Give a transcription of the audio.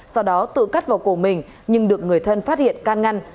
sau đó tự cắt vào cổ mình nhưng được người thân phát hiện can ngăn